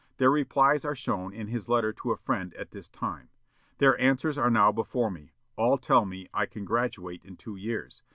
Their replies are shown in his letter to a friend at this time. "Their answers are now before me. All tell me I can graduate in two years.